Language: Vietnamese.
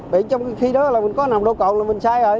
bị trong khi đó là mình có nồng độ cồn là mình sai rồi